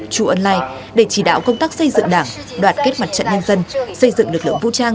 chu ân lai để chỉ đạo công tác xây dựng đảng đoạt kết mặt trận nhân dân xây dựng lực lượng vũ trang